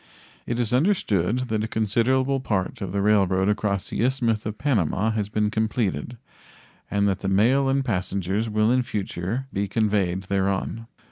It is understood that a considerable part of the railroad across the Isthmus of Panama has been completed, and that the mail and passengers will in future be conveyed thereon.